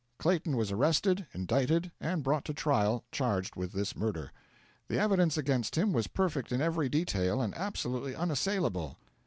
Clayton was arrested, indicted, and brought to trial, charged with this murder. The evidence against him was perfect in every detail, and absolutely unassailable.